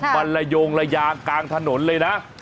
มันละโยงระยางกลางถนนเลยนะ